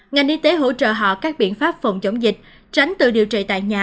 ngành y tế hỗ trợ họ các biện pháp phòng chống dịch tránh tự điều trị tại nhà